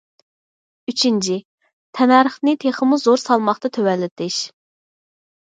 ئۈچىنچى، تەننەرخنى تېخىمۇ زور سالماقتا تۆۋەنلىتىش.